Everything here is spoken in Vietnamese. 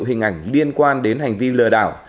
hình ảnh liên quan đến hành vi lừa đảo